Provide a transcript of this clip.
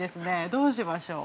どうしましょう。